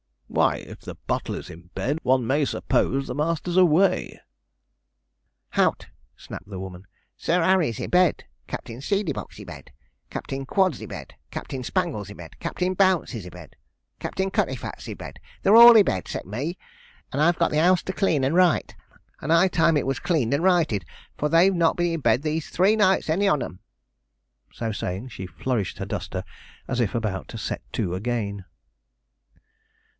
'Why, if the butler's in bed, one may suppose the master's away.' 'Hout!' snapped the woman; 'Sir Harry's i' bed Captin Seedeybuck's i' bed Captin Quod's i' bed Captin Spangle's i' bed Captin Bouncey's i' bed Captin Cutitfat's i' bed they're all i' bed 'cept me, and I've got the house to clean and right, and high time it was cleaned and righted, for they've not been i' bed these three nights any on 'em.' So saying, she flourished her duster as if about to set to again.